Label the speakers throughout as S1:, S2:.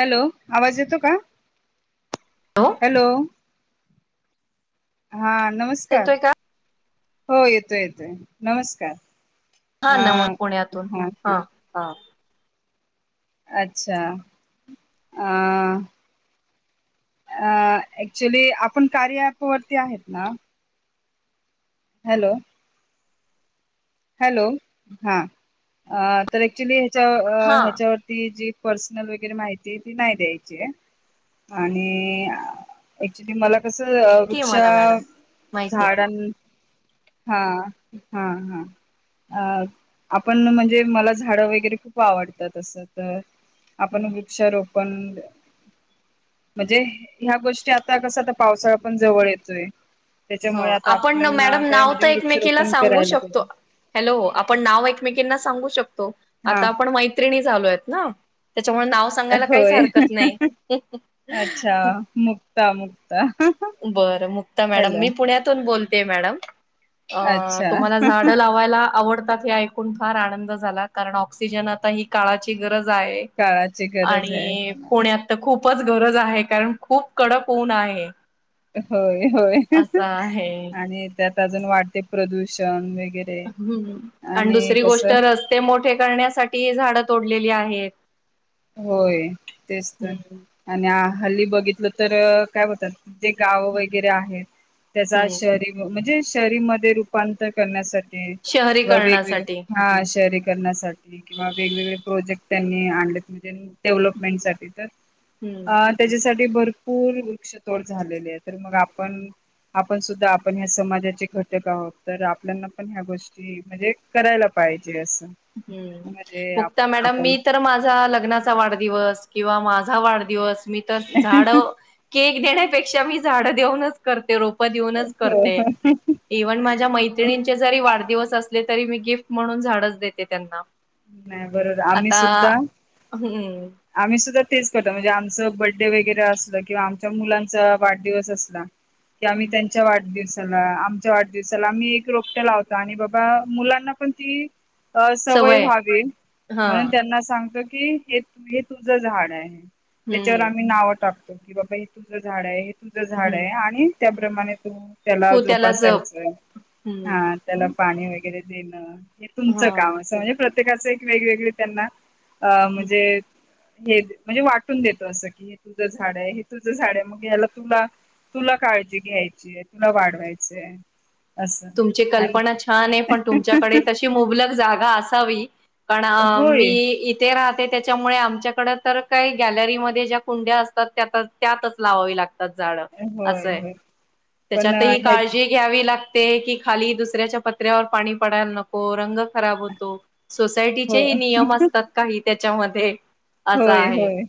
S1: Hello, आवाज येतो का? हॅलो. हा नमस्कार,
S2: येतोय का
S1: हो येतोय येतोय नमस्कार. अ
S2: हा नव पुण्यातून हा हा.
S1: अच्छा अ अ ऍक्च्युली आपण कार्य ॲप वरती आहेत ना. हॅलो. हॅलो, हा तर ऍक्च्युली ह्याच्या
S2: हा
S1: ह्याच्यावरती जी पर्सनल वगैरे माहिती ती नाही द्यायचीय आणि ऍक्च्युली मला कसं
S2: ती
S1: वृक्ष
S2: मला मॅडम माहितीय
S1: झाडां हा हा हा. अ आपण म्हणजे मला झाडं वगैरे खूप आवडतात असं तर आपण वृक्ष रोपण म्हणजे ह्या गोष्टी आता कस आ पावसाळा पण जवळ येतोय.
S2: ह
S1: त्याच्यामुळे आता
S2: आपण
S1: आपल्याना
S2: मॅडम
S1: काय
S2: नाव
S1: म्हणजे
S2: तर एकमेकीला
S1: वृक्षरोपण
S2: सांगू
S1: करायला
S2: शकतो.
S1: पाहिजे
S2: हॅलो आपण नाव एकमेकांना सांगू शकतो
S1: हा
S2: आता आपण मैत्रिणी झालो आहेत ना त्याच्यामुळे नाव सांगायला काहीच
S1: होय
S2: हरकत नाही
S1: हमुग
S2: बरं मुक्ता मॅडम मी पुण्यातून बोलतेय मॅडम अ
S1: अच्छा
S2: तुम्हाला झाडं लावायला आवडतात हे ऐकून फार आनंद झाला कारण ऑक्सिजन आता ही काळाची गरज
S1: काळाची गरज आहे
S2: आणि
S1: मला
S2: पुण्यात तर खूप खूपच गरज आहे कारण खूप कडक होऊन आहे
S1: होय होय
S2: असं आहे.
S1: आणि त्यात अजून वाढते प्रदूषण व
S2: हम्म आणि दुसरी गोष्ट रस्ते मोठे करण्यासाठी ते झाडं तोडलेली आहेत
S1: होय तेच तर
S2: हम्म
S1: आणि हल्ली बघितलं तर काय होतात जे गावं वगैरे आहेत त्याचा
S2: हम्म
S1: शहरी म्हणजे शरी म रुपांतर करण्यासाठी किंवा वेगवेग
S2: शहरीकरणासाठी
S1: हा शरी करण्यासाठी किंवा वेगवेगळे प्रोजेक्ट त्यांनी आणले म्हणजे डेव्हलपमेंट सासाठी तर
S2: हम्म
S1: अं त्याच्यासाठी भरपूर वृक्षतोड झालेले आहे तर मग आपण आपण सुद्धा आपण ह्या समाजाचे घटक आहोत तर आपल्याना पण ह्या गोष्टी म्हणजे करायला पहि पायजेस
S2: हम्म मुक्त मॅडम मी तर माझा ल वाढदिवस किंवा माझा वाढदिवस मी तर झाड केक देण्यापेक्षा झाड देऊनच करते रोप ऊन
S1: नाही
S2: इव्हन माझ्या मैत्र जरी वाढदिवस अस तरी मी गिफ्ट म्हणून झाडच देते त्यांना
S1: बरोबर आम्ही
S2: आता
S1: सुद्धा
S2: हम्म
S1: आम्ही सुद्धा तेच करत म्हणजे आमचं बडे वगैरे असलं किंवा आमच्या मुलांचा वाढदिवस असला की आम्ही त्यांच्या वाढदिवसा आमच्या वाढदिवसाला आम्ही एक रोपट्या लावतो आणि बाबा मुलांना पण ती अ सवय व्हागली
S2: हा
S1: म्हणून त्यांना सांगत की हे हे तुझं झाड आहे त्याच्यावर
S2: हम्म
S1: आम्ही नावं टाकतो की बाबा हे तुझं झाड आहे तुमचं झाड
S2: हम्
S1: आहे आणि त्याप्रमाणे तू त्याला
S2: तू जप
S1: जोपासायचंय
S2: हम्म
S1: हा त्याला पाणी वगैरे देणं
S2: हा
S1: तुमचं काम असं म्हणजे प्रत्येकाचं एक वेगवेगळे त्यांना अ म्हणजे हे म्हणजे वाटून देतो असं की हे तुझं झाड आहे हे तुझं झाड आहे मग याला तुला तुला काळजी घ्यायचीय तुला वाढवायचंय
S2: तुमची कल्पना छान आहे पण तुमच्याकडे तशी मुबलक जागा असावी पण
S1: होय
S2: मी इथे राहत त्याच्यामुळे आमच्याकडे तर काही गॅलरीमध्ये ज्या कुंड्या असतात त्या त्यातच लावावी लागते झाड
S1: होय
S2: असय
S1: होय पण
S2: त्याच्यात ही
S1: ह्या
S2: काळजी घ्यावी लागते ते की खाली दुसऱ्याच्या पत्र्यावर पाणी पडायला नको रंग खराब होतो
S1: हो
S2: सोसायटीचेही नियम असतात काही त्याच्यामध्ये असं
S1: होय,
S2: आहे
S1: होय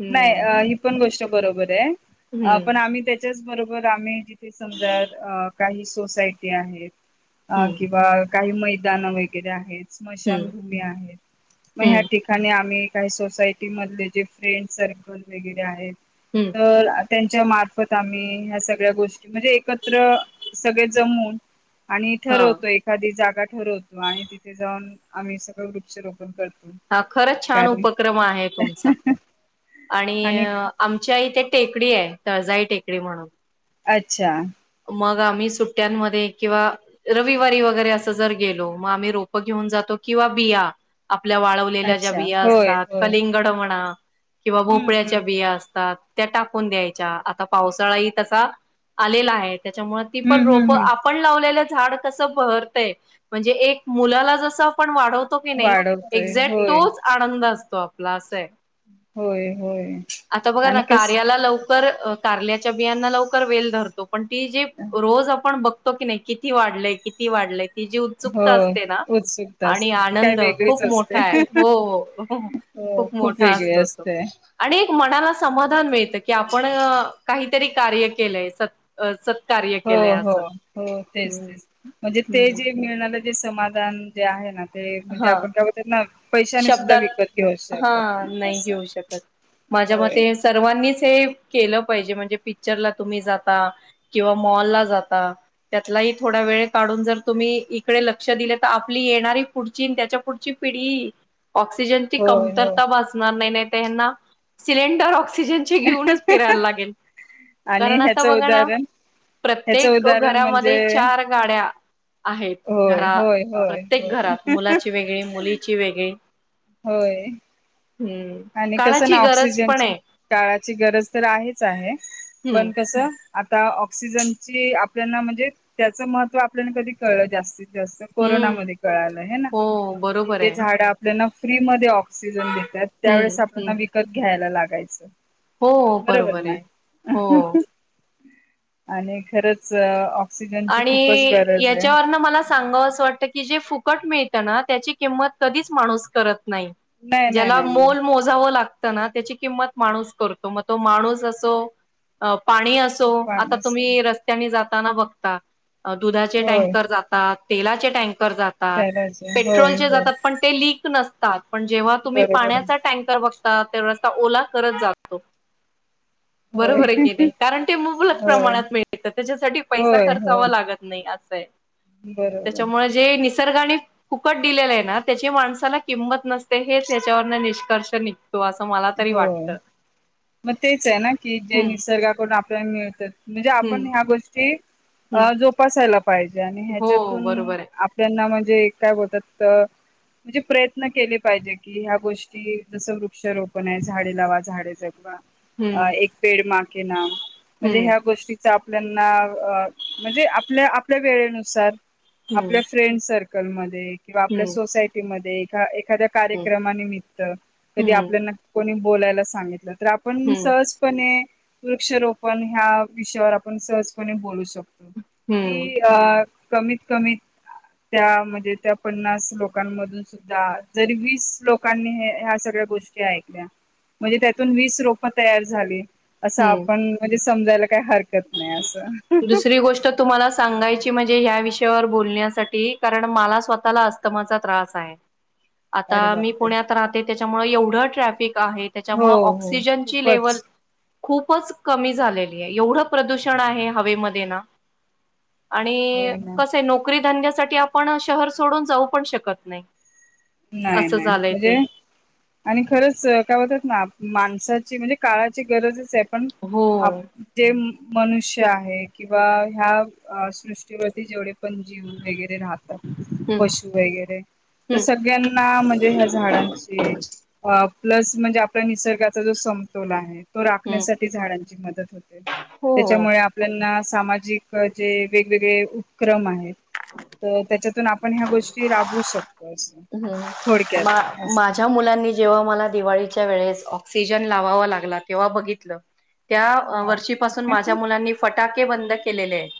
S2: हम्म,
S1: नाही ही पण गोष्ट बरोबर आहे पण
S2: हम्म,
S1: आम्ही त्याच्याच बरोबर आम्ही जिथे समजा काही सोसायटी आहेत
S2: हम्म,
S1: किंवा काही मैदाान वगैरे आहेत
S2: हम्म,
S1: स्मशानभूमी आहेत मग ह्या
S2: हम्म,
S1: ठिकाणी आम्ही काही सोसायटी मधले जे फ्रेंड सर्कल वगैरे आहेत
S2: हम्म.
S1: तर त्यांच्या मार्फत आम्ही ह सगळ्या गोष्टी म्हणजे एकत्र सगळे जमून आणि
S2: हां.
S1: ठरवतो एखादी जागा ठरवतो आणि तिथे जाऊन आम्ही सगळं वृक्ष रोपण करतो
S2: हा खरंच छान
S1: कारण
S2: उपक्रम तुम आणि आम टेकडी आहे तळजाई टेकडी म्हणून
S1: अच्छा
S2: मग आम्ही सुट्ट्यांमध्ये किंवा रविवारी वगैरे असं जर गेलो मग आम्ही रोपं घेऊन जातो किंवा बिया आपल्या वाळवलेल्या ज्या
S1: अच्छा
S2: बिया
S1: होय
S2: असतात
S1: होय
S2: कलिंगड म्हणा किंवा
S1: हम्म
S2: भोपळ्याच्या
S1: हम्म
S2: बिया असतात त्या टाकून द्यायच्या आता पावसाळाही तसा आलेला आहे त्याच्यामुळे ती पण
S1: हम्म हम्म
S2: रोपं
S1: हम्म
S2: आपण लावलेल्या झाड कस भरतंय म्हणजे एक मुलाला जस आपण वा वाढवतो तो की नाही
S1: वाढवतोय
S2: एक्झॅक्ट
S1: होय
S2: तोच आनंद असतो आपला अस आहे
S1: होय होय
S2: आता बघा ना
S1: आणि कस
S2: कार्याला लव कारल्याच्या बियाना लवकर वेल धरतो पण ती जे रोज आपण बघ हो की नाही किती वाढलंय किती वाढलंय ही जी
S1: हो
S2: उत्सुकता असते ना
S1: उत्सुकता
S2: आणि
S1: असते ती काय
S2: आनंद
S1: वेगळीच
S2: खूप मोठा
S1: असते
S2: आहे हो
S1: हो खूप
S2: मोठा
S1: वेगळे
S2: असतो तो
S1: असते
S2: आणि एक मनाला समाधान मिळतं की आपण काहीतरी कार्य केलंय असं स सत्कार्य
S1: हो
S2: केलंय
S1: हो हो तेच तेच म्हणजे ते
S2: हम्म
S1: जे मिळणार समाधान जे आहे ना ते म्हणजे
S2: हा
S1: आपण काय बोलतात ना पैशाने सुद्धा
S2: शब्दात
S1: विकत घेऊ
S2: हा
S1: शकत नाही असं
S2: घेऊ शकत. माझ्या
S1: होय
S2: मते सर्वांनीच हे केल पाहिजे म्हणजे पिक्चर तुम्ही जात किंवा मॉल जाता त्यातला ही थोडा वेळ काढून जर तुम्ही इकडे लक्ष दिले तर आपली येणारी पुढची त्याच्या पुढची पिढी ऑक्सिजनची
S1: होय हो
S2: कमतरता भासणार नाही नाही त्यांना सिलेंडर ऑक्सिजनचे घेऊनच फिरायला लागेल
S1: आणि
S2: करण आता
S1: ह्याचं
S2: बघा ना
S1: उदाहरण ह्याचं
S2: प्रत्येक
S1: उदाहरण म्हणजे
S2: घरामध्ये चार गाड्या आहेत
S1: होय
S2: घरा
S1: होय होय
S2: प्रत्येक
S1: होय
S2: घरात मुलाची वेगळी मुलीची वेगळी
S1: होय
S2: हम्म
S1: आणि कसं
S2: काळाची
S1: ना
S2: गरज पण
S1: ऑक्सिजनची
S2: आहे
S1: काळाची गरज तर आहेच आहे पण
S2: हं,
S1: कसं आता ऑक्सिजनची आपल्याना म्हणजे त्याचं महत्त्व आपल्याला कधी कळलं जास्तीत जास्त
S2: हं.
S1: कोरोनामध्ये कळालं हे ना
S2: हो,
S1: की
S2: बरोबर
S1: जे
S2: आहे.
S1: झाड आपल्याला फ्रीमध्ये ऑक्सिजन देतात त्यावेेळेस
S2: हं, हं.
S1: आपल्याला विकत घ्यायला लागायचं
S2: हो,
S1: बरोबर ना
S2: आहे. हो
S1: आणि खरंच खूपच
S2: आणि
S1: गरज आहे.
S2: याच्यावरन मला सांगाव असं वाटत की जे फुकट मिळत त्याची किंमत कधीच माणूस करत नाही
S1: नाही नाही
S2: ज्याला
S1: नाही
S2: मो
S1: नाही
S2: मोजाव लागत त्याची किंमत माणूस करतो मग तो माणूस असो अ पाणी असो आता
S1: पाण्याच
S2: तुम्ही रस्त्याने जाताना बघता दुधाचे
S1: होय
S2: टँकर जातात तेलाचे टँकर जातात
S1: त्यालाच होय
S2: पेट्रोलचे
S1: होय.
S2: जातात पण ते लीक नसतात पण जेव्हा तुम्ही
S1: बरोबर
S2: पाण्याचा टँकर बघता तेरस्ता ओला करत जातातो
S1: होय
S2: बरोबर आहे की नही कारण ते मुबलच
S1: होय
S2: प्रमाणात मिळत त्याच्यासाठी पैसा
S1: होय
S2: खर्चाव
S1: होय
S2: लागत नाही असय
S1: बरोबर.
S2: त्यामुळे निसर्गाने फुकट दिलेलं आहे ना त्याची माणसाला किंमत नसते हेच याच्यावरनं निष्कर्ष निघत
S1: हो मग तेच आहे ना की जे
S2: हम्म
S1: निसर्गाकडून आपल्या मिळत म्हणजे
S2: हम्म
S1: आपण ह्या गोष्टी
S2: हम्म
S1: अ जोपासायला पाहिजे पाहिजे आणि
S2: हो
S1: ह्याच्यातून
S2: बरोबर आहे.
S1: आपल्याना म्हणजे काय बोलतात म्हणजे प्रयत्न केले पाहिजे की ह्या गोष्टी जस वृक्षारोप को नाही झाडे लावा झाडे जगवा अ
S2: हम्म
S1: एक पेड माके नाम म्हणजे
S2: हम्म
S1: ह्या गोष्टीचा मित्रांना हं म्हणजे आपल्या आपल्या वेळेनुसार आपल्या
S2: हम्म
S1: फ्रेंड सर्कल मध्ये किंवा आपल्या
S2: हम्म
S1: सोसायटी म एका एखाद्या
S2: हम्म
S1: कार्यक्रमानिमित्त. कधी
S2: हम्म
S1: आपल्याना कोणी बोलायला सांगितलं तर आपण
S2: हम्म
S1: सहजपणे, वृक्षरोपण ह्या विषयावर आपण सहजपणे बोलू शकतो.
S2: हम्म
S1: कि अ. कमीत-कमीत. त्या म्हणजे त्या पन्नास लोकांमधून सुद्धा जरी वीस लोकांनी ह्या सगळ्या ह्या गोष्टी ऐकल्या म्हणजे त्यातून वीस रोप तयार झाली असं
S2: हम्म
S1: आपण म्हणजे समजायला काय हरकत नाही आस.
S2: दुसरी गोष्ट तुम्हाला सांगायची म्हजे ह्या विष हेच्यावर बोलण्यासाठी, कारण मला स्वतःला अस्तमाचा त्रास आहे.
S1: अरे
S2: आता मी
S1: बापरे
S2: पुण्यात राहते, त्याच्यामुळे एवढं ट्रॅफिक आहे
S1: हो
S2: त्याच्यामुळे
S1: हो
S2: ऑक्सिजनची लेवल
S1: खूपच.
S2: खूपच कमी झालेली आहे. एवढं प्रदूषण आहे हवेमध्ये ना. आणि
S1: होय ना
S2: कस आय नोकरी धंद्यासाठी आपण शहर सोडून जाऊ पण शकत नाही.
S1: नाही
S2: असं
S1: नाही
S2: झालंय ते
S1: मजे आणि खरंच काय होतात ना. माणसाची म्हणजे काळाची गरजच आहे पण
S2: हो
S1: आप जे. मनुष्य आहे किंवा ह्या सृष्टीवरती जेवढे पण जीव वगैरे राहतात,
S2: हम्म
S1: पशू वगैरे,
S2: हम्म
S1: तस सगळ्यांना म्हणजे ह्या झाडांची वा प्लस म्हणजे आपला निसर्गाचा जो समतोल आहे. तो
S2: हम्म
S1: राखण्यासाठी झाडांची मदत होते
S2: हो
S1: त्याच्यामुळे आपल्याना सामाजिक जे वेगवेगळे उपक्रम आहेत त्याच्या आपण ह्या गोष्टी राबवू शकतो. असं
S2: ह् म
S1: थोडक्यात असं
S2: -माझ्या मुलांनी जेव्हा मला दिवाळी - - च्या वेळेस ऑक्सिजन लावावा लागला तेव्हा बघितलं. त्या अ वर्षीपासून
S1: बापरे
S2: माझ्या मुलांनी फटाके बंद केलेले येत.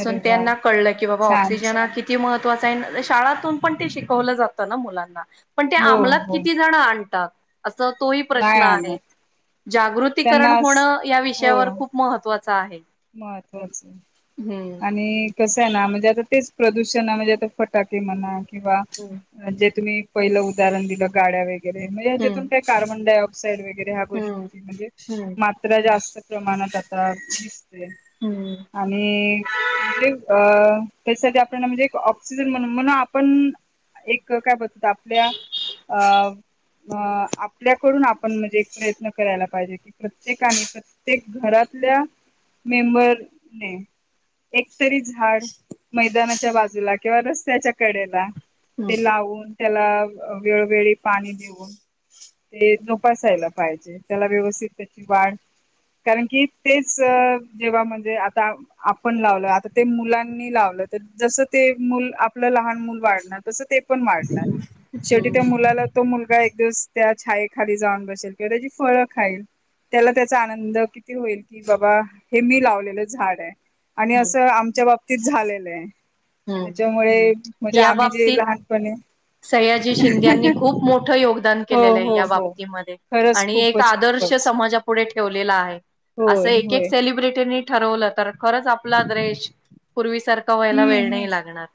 S1: अरे वा
S2: त्यांना कळलं की बाबा
S1: छान
S2: ऑक्सिजन हा
S1: छान
S2: किती महत्त्वाचाये. शाळातून पण ते शिकवलं जात ना मुलांना, पण ते
S1: हो
S2: आमलात
S1: हो
S2: किती जण आणतात? असं तोही
S1: नाही
S2: प्रश्न आहे.
S1: आणत
S2: जागृतीकरण
S1: त्यांना अस
S2: होणं या विषयावर खूप महत्त्वाचं. आहे
S1: महत्वाचं
S2: हम्म
S1: आणि कसं आहे ना. म्हणजे आता तेच प्रदूषणा म्हणजे आता फटाके म्हणा, किंवा
S2: हम्म
S1: जे तुम्ही पहिलं उदाहरण दिल. गाड्या वगैरे. म्हणजे हेच्यातून काही कार्बन डायऑक्साइड वगैरे ह्या
S2: हम्म
S1: गोष्टी म्हणजे
S2: हम्म
S1: मात्रा जास्त प्रमाणात आता.
S2: हम्म
S1: आणि म्हणजे अ. त्यासाठी आपल्याला म्हणजे. ऑक्सिजन म्हण-म्हणजे आपण एक काय बोलतो आपल्या अ. अ आपल्याकडून आपण म्हणजे प्रयत्न करायला पाहिजे. की प्रत्येकाने-प्रत्येक घरात. ल्या मेंबर ने. एकतरी झाड, मैदानाच्या बाजूला किंवा रस्त्याच्या कडेला ते लावून त्याला वेळोवेळी पाणी देऊन ते जोपासायला पाहिजे. त्याला व्यवस्थित त्याची वाढ. कारण की तेच. जेव्हा म्हणजे आता आपण लावल. आता ते मुलांनी लावलं तर जस ते मुल आपल. लहान वाढणार. तस ते पण वाढणार. शेवी
S2: हम्म
S1: त्या मुलाला तो मुलगा एक दिवस त्या छायेखाली जाऊन बसेल. किंवा त्याची फळं खाईल. त्याला त्याचा आनंद किती होईल. कि बाबा. हे मी लावलेलं झाड आहे. आणि
S2: हम्म
S1: असं आमच्या बाबतीत झालेलं आहे.
S2: हम्म
S1: त्याच्यामुळे म्हणजे आम्ही जे लहानपनी
S2: स्याजी शिंद्यांनी खूप मोठं योगदान
S1: हो
S2: केलेलं आहे.
S1: हो
S2: या
S1: हो.
S2: बाबतीमध्ये
S1: खरंच
S2: आणि एक
S1: खूपच
S2: आदर्श
S1: खूपच
S2: समाजापुढ ठेवलेल आहे. अस
S1: होय
S2: एक
S1: होय
S2: सेलिब्रिटी मी ठरवल तर खरच आपल देश पूर्वी सारख व्हायला
S1: हम्म
S2: वेळ
S1: हम्म
S2: नाही लागणार.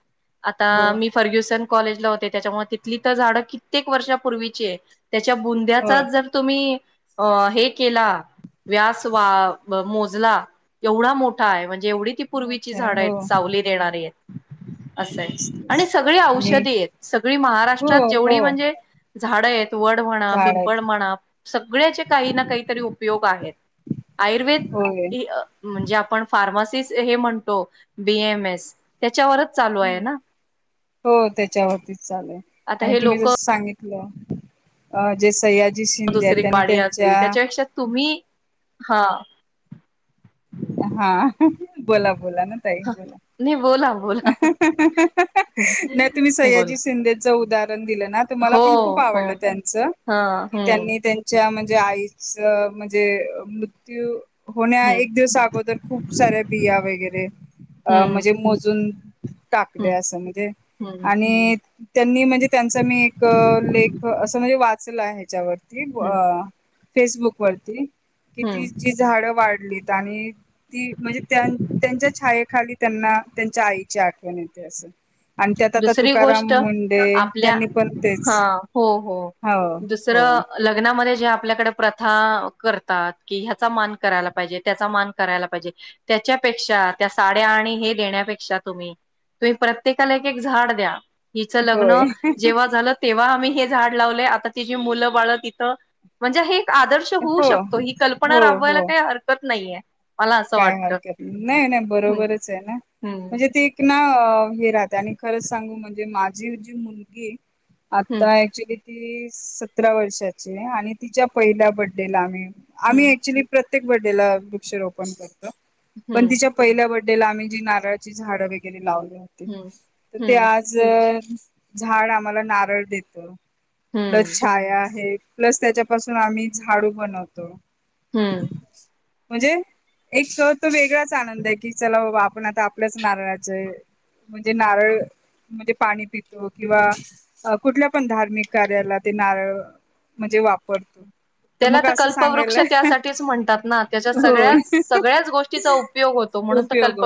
S2: आता
S1: हो
S2: मी फर्ग्युसन. कॉलेज ला होते त्याच्यामुळे. तिथली तर झाडं कित्येक वर्षापूर्वीची त्याच्या
S1: होय.
S2: बुंद्याचा जर तुम्ही अ हे केला व्यास वा मोजला एवढा मोठा आहे म्हणजे जेवढी ती पूर्वीची
S1: मोठ आहे
S2: झाडं
S1: हो
S2: आहेत सावली देणारी आहेत. असं
S1: तेच
S2: आहे आणि
S1: तेच
S2: सगळी
S1: आणि
S2: औषधी आहेत. सगळी
S1: हो
S2: महाराष्ट्रात
S1: हो
S2: जेवढी म्हणजे झाडं आहेत वड म्हणा
S1: झाड आहेत
S2: पिंपळ म्हणा. सगळ्याचे काही ना काहीतरी उपयोग आहेत. आयुर्वेद
S1: होय
S2: म्हणजे आपण फार्मा म्हणतो बीमस.
S1: हम्म हो त्याच्यावरती चा
S2: आता
S1: आणि
S2: हे
S1: तुम्ही
S2: लोक
S1: जस सांगितलं जे स्या
S2: दुसरी काणी असतील त्याच्यापेक्षा तुम्ही हा.
S1: हा बोला बोला ना तई बोला.
S2: नाही बोला बोला
S1: ना तुम्ही स्याजी
S2: बोला
S1: शिंदेच उदहरण.
S2: हो
S1: ख आ
S2: हो
S1: त्यां.
S2: हा हम्म
S1: आई म्हणजे मृत्य होण्या
S2: हम्म
S1: एक दिवसा अगोदर खूप साऱ्या बिया वगैरे अ
S2: हम्म
S1: म्हणजे मोजून टाकले
S2: हम्म
S1: असं म्हणजे
S2: हम्म
S1: आणि त्यांनी म्हणजे त्यांचा मी एक लेख असं म्हणजे वाचलं ह्याच्यावरती
S2: हम्म
S1: फेसबुक वरती कि
S2: हम्म
S1: ति जी झाडं वाढलीत आणि ती म्हणजे त्यांच्या छायेखाली त्यांना त्यांच्या आईची आठवण येते असं. आणि त्यात आता
S2: दुसरी
S1: तुकाराम
S2: गोष्ट
S1: मुंडे
S2: आपल्या
S1: त्यांनी पण
S2: हा
S1: तेच
S2: हो हो.
S1: हो हो
S2: दुसरं लग्नामध्ये जे ल्या प्रथाात क ह मान करायला पाजे त्याचा मान करायला पाजे त्या साड्या आणि देण्यापेक्षा तुम्ही तुम्ही प्रत्येकाला झा द्या ह
S1: होय
S2: लग्न जेव्हा झा तेव्हा आम हे झाड लावले आता ति मुलं बाळ तिथ म्हणजे हे. आदर्श होऊ
S1: हो
S2: शकतो ही
S1: हो
S2: कल्पना राबवायला
S1: हो
S2: काही हरकत नाहीये. मला असं
S1: काय
S2: वाटतं
S1: हारकत नाही नाही
S2: हम्म
S1: बरोबरच आहे ना
S2: हम्म
S1: म्हणजे ते नाव राह आणि खरच सांगू म्हणजे माझी जी मुलगी
S2: हम्म
S1: आता क्च्युली त सतरा वर्षाची आणि तिच्या पहिल्या बर्डेला आम्ही आम्ही
S2: हम्म
S1: क्च्युली्य
S2: हम्म
S1: [unintelligible] ला आम्ही जी नारळाची झाडं वगैरे लावली होती
S2: हम्म
S1: तर ते
S2: हम्म
S1: आज झाड आम्हाला नारळ देत
S2: हम्म.
S1: लचछाया आहेत. प्लस त्याच्यापासून आम्ही झाडू बनवतो.
S2: हम्म.
S1: म्हणजे एक तो वेगळाच आनंद आहे की चला बाबा आपण आता आपल्याच नारळाच आहे. म्हणजे नारळ. म्हणजे पाणी पितो किंवा कुठल्या पण धार्मिक कार्याला ते नारळ. म्हणजे वापरतो.
S2: त्याला
S1: मग
S2: तर
S1: असं
S2: कल्पवृक्ष
S1: सांगायला
S2: त्यासाठीच म्हणतात ना त्याच्या सगळ्याच.
S1: होय
S2: सगळ्याच गोष्टीचा उपयोग होतो म्हणून
S1: उपयोग
S2: कल्प